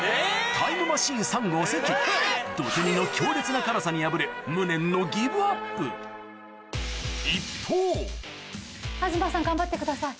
タイムマシーン３号・関どて煮の強烈な辛さに敗れ無念の一方東さん頑張ってください。